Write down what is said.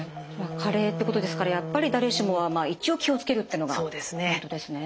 加齢ってことですからやっぱり誰しもは一応気を付けるっていうのがポイントですね。